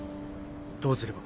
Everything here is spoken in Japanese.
どうすれば？